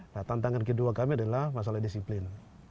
nah tantangan kedua kami adalah masalah disiplin